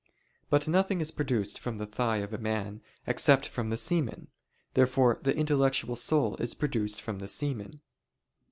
But nothing is produced from the thigh of a man, except from the semen. Therefore the intellectual soul is produced from the semen.